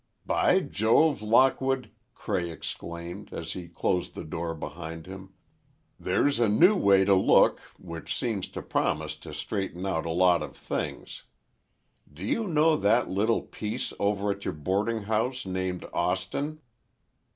"By Jove, Lockwood," Cray, exclaimed, as he closed the door behind him, "there's a new way to look, which seems to promise to straighten out a lot of things. Do you know that little piece over at your boarding house, named Austin?"